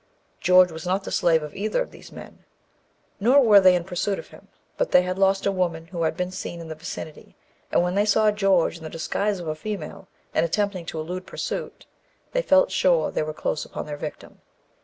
George was not the slave of either of these men, nor were they in pursuit of him, but they had lost a woman who had been seen in that vicinity, and when they saw poor George in the disguise of a female, and attempting to elude pursuit, they felt sure they were close upon their victim.